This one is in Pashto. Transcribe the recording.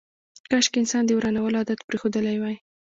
کاشکي انسان د ورانولو عادت پرېښودلی وای.